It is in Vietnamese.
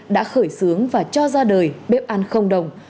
đã khởi xướng và cho ra đời bếp ăn không đồng